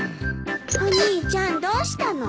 お兄ちゃんどうしたの？